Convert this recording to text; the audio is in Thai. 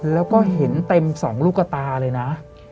แล้วก็เห็นเต็ม๒ลูกตาเลยนะ